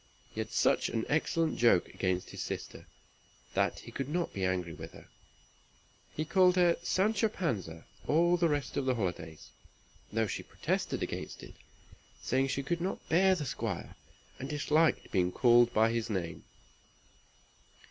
He had such an excellent joke against his sister, that he could not be angry with her. He called her Sancho Panza all the rest of the holidays, though she protested against it, saying she could not bear the Squire, and disliked being called by his name.